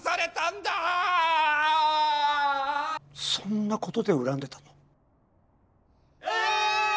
そんなことで恨んでたの？